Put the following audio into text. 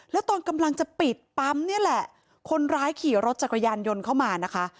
แล้วตอนกำลังจะปิดปั๊มนี่แหละคนร้ายขี่รถจักรยานยนต์เข้ามานะคะ